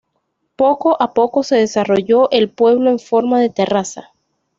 Poco a poco se desarrolló el pueblo en forma de terraza.